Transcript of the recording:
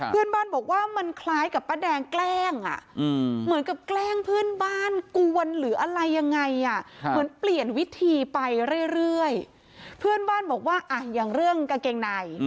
เพื่อนบ้านบอกว่ามันคล้ายกับประแดงแกล้ง